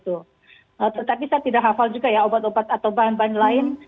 tetapi saya tidak hafal juga ya obat obat atau bahan bahan lain